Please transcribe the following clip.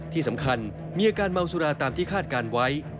ที่สำคัญมีอาการเมาสุราตามที่คาดการณ์ไว้